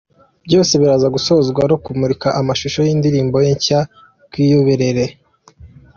Byose biraza gusozwa no kumurika amashusho y'indirimbo ye nshya 'Rwiyoborere'.